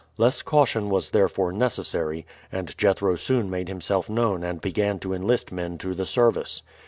Less caution was therefore necessary, and Jethro soon made himself known and began to enlist men to the service.